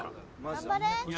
頑張れ！